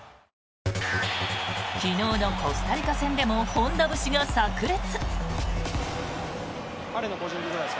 昨日のコスタリカ戦でも本田節がさく裂。